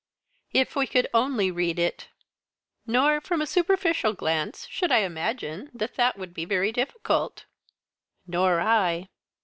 "If we could only read it!" "Nor, from a superficial glance, should I imagine that that would be very difficult." "Nor I."